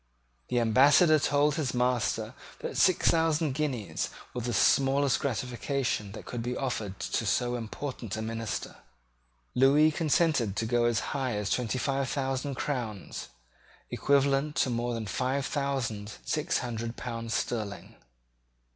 The Ambassador told his master that six thousand guineas was the smallest gratification that could be offered to so important a minister. Lewis consented to go as high as twenty five thousand crowns, equivalent to about five thousand six hundred pounds sterling.